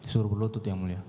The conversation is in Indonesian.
suruh berlutut yang mulia